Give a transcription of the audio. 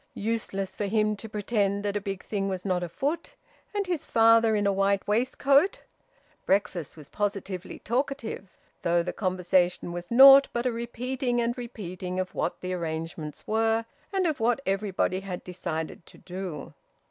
Useless for him to pretend that a big thing was not afoot and his father in a white waistcoat! Breakfast was positively talkative, though the conversation was naught but a repeating and repeating of what the arrangements were, and of what everybody had decided to do.